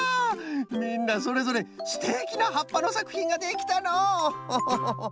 みんなそれぞれすてきなはっぱのさくひんができたのうホホホ。